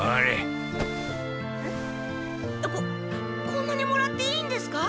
ここんなにもらっていいんですか？